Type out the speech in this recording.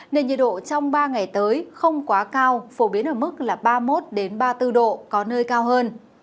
nên nhiệt độ trong ba ngày tới không quá cao phổ biến ở mức ba mươi một ba mươi bốn độ có nơi cao hơn